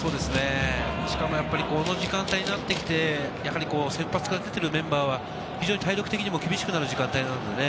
しかもこの時間帯になってきて、先発から出ているメンバーは非常に体力的にも厳しくなる時間帯なのでね。